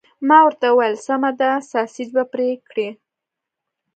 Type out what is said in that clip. ما ورته وویل: سمه ده، ساسیج به پرې کړي؟